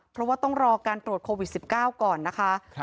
เพราะว่าต้องรอการตรวจโควิด๑๙ก่อนนะคะ